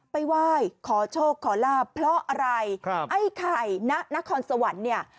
ไหว้ขอโชคขอลาบเพราะอะไรครับไอ้ไข่ณนครสวรรค์เนี่ย